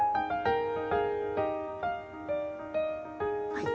はい。